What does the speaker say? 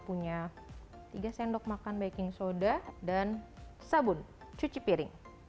punya tiga sendok makan baking soda dan sabun cuci piring